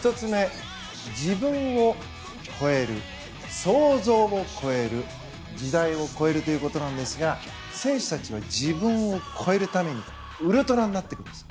自分を超える想像を超える時代を超えるということですが選手たちは自分を超えるためにウルトラになっています。